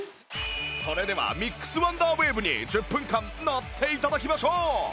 それではミックスワンダーウェーブに１０分間乗って頂きましょう！